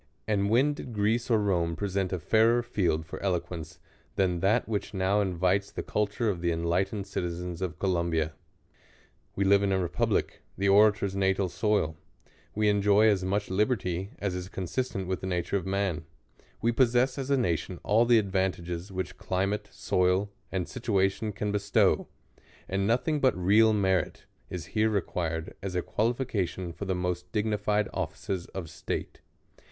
And when did Greece or Rome present a fairei\ field for eloquence than that which now invites the culture of the enlightened citizens of Columbia ? We live in a republic, the orator's natal soil ; we enjoy as much liberty, as is consistent widi the nature of man ; we possess as a nation ail the advantages which climate, soil, ai^d situation can bestow ; and nothi ng but real merit is here required as a qualification for the most dignified offices of state.